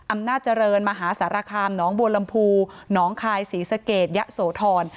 อำนาจเจริญมหาสารคามหนองบัวลำพูหนองคายศรีสะเกดยะโสธร